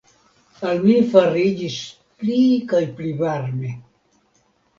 Al mi fariĝis pli kaj pli varme.